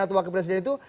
atau wakil presiden itu